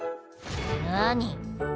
何？